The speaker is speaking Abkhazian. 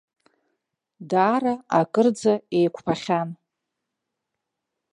Даара акырӡа еиқәԥахьан.